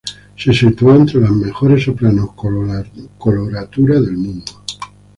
Se situó entre las mejores sopranos coloratura del mundo.